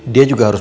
dia juga harus